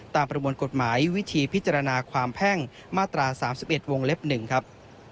ประมวลกฎหมายวิธีพิจารณาความแพ่งมาตรา๓๑วงเล็บ๑ครับ